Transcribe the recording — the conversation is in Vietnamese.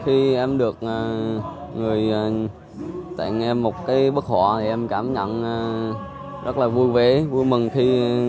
khi em được người tặng nghe một cái bức họa thì em cảm nhận rất là vui vẻ vui mừng khi